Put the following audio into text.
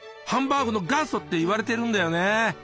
ハンバーグの元祖って言われてるんだよね。